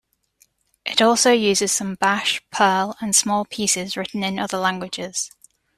It also uses some bash, Perl, and small pieces written in other languages.